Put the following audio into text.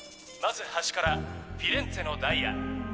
まず端からフィレンツェのダイヤ。